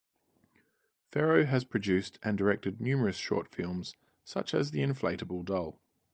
Ferro has produced and directed numerous short films such as The Inflatable Doll.